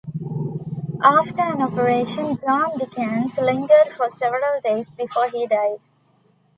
After an operation, John Dickens lingered for several days before he died.